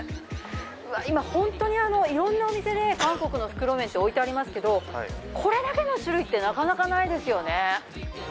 今、本当にいろんなお店で韓国の袋麺って置いてありますけど、これだけの種類ってなかなかないですよね。